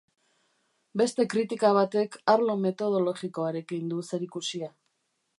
Beste kritika batek arlo metodologikoarekin du zerikusia.